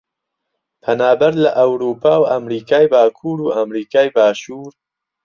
پەنابەر لە ئەورووپا و ئەمریکای باکوور و ئەمریکای باشوور